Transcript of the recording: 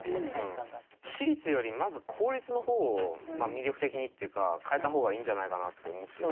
私立よりまず公立の方を魅力的にっていうか変えた方がいいんじゃないかなって思ってて。